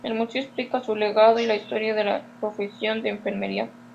El museo explica su legado y la historia de la profesión de enfermería.